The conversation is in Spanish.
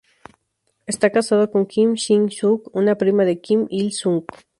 Está casado con Kim Shin-sook, una prima de Kim Il-sung.